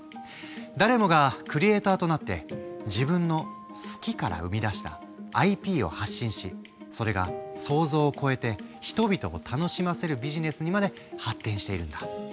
誰もがクリエイターとなって自分の好きから生み出したＩＰを発信しそれが想像を超えて人々を楽しませるビジネスにまで発展しているんだ。